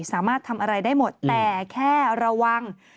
สามารถทำอะไรได้หมดแต่แค่ระวัง